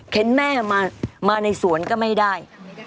เห็นแม่มาในสวนก็ไม่ได้